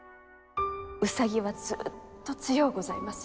兎はずっと強うございます。